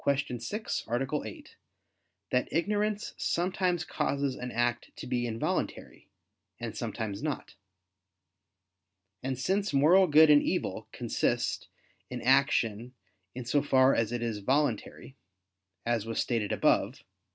6, A. 8) that ignorance sometimes causes an act to be involuntary, and sometimes not. And since moral good and evil consist in action in so far as it is voluntary, as was stated above (A.